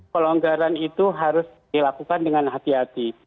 pelonggaran itu harus dilakukan dengan hati hati